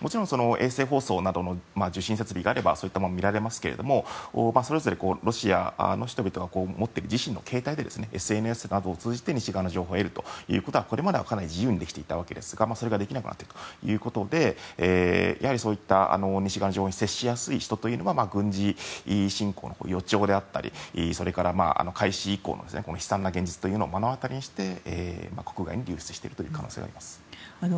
もちろん衛星放送なども受信設備があればそういったものは見られますけどそれぞれロシアの人々が持っている自身の携帯でＳＮＳなどを通じて西側の情報を得ることはこれまではかなり自由にできていたわけですがそれができなくなっているということでやはりそういった西側の情報に接しやすい人というのは軍事侵攻の予兆であったり開始以降の悲惨な現実を目の当たりにして流出しているという可能性があります。